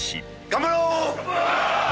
頑張ろう！